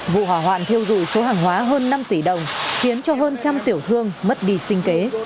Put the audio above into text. vụ hỏa hoạn thiêu dụi số hàng hóa hơn năm tỷ đồng khiến cho hơn trăm tiểu thương mất đi sinh kế